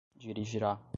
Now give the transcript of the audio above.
dirigirá